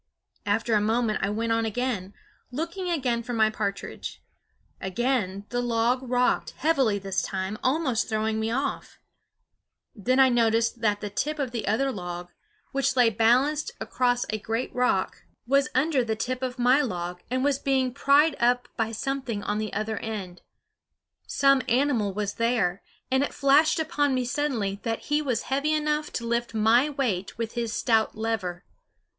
After a moment I went on again, looking again for my partridge. Again the log rocked, heavily this time, almost throwing me off. Then I noticed that the tip of the other log, which lay balanced across a great rock, was under the tip of my log and was being pried up by something on the other end. Some animal was there, and it flashed upon me suddenly that he was heavy enough to lift my weight with his stout lever.